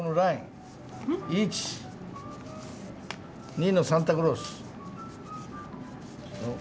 １、２のサンタクロース。